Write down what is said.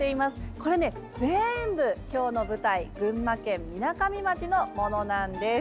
これね、全部今日の舞台群馬県みなかみ町のものなんです。